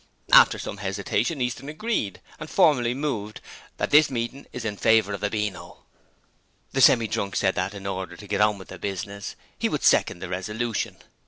After some hesitation, Easton agreed, and formally moved: 'That this meeting is in favour of a Beano.' The Semi drunk said that, in order to get on with the business, he would second the resolution.